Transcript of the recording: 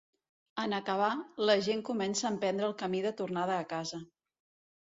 En acabar, la gent comença a emprendre el camí de tornada a casa.